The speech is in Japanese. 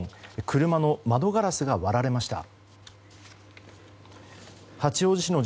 車の窓ガラスが割られました。